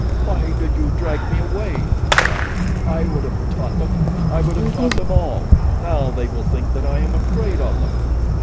"Why did you drag me away?" he cried. "I would have taught them! I would have taught them all! Now they will think that I am afraid of them."